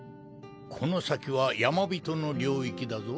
この先はヤマビトの領域だぞ。